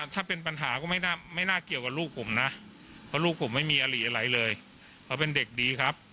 ถ้าเป็นปัญหาก็ไม่น่าเกี่ยวกับลูกผมนะเพราะลูกผมไม่มีอลีอะไรเลยเขาเป็นเด็กดีครับ